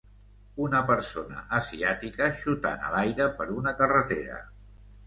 Una persona asiàtica xutant a l'aire per una carretera.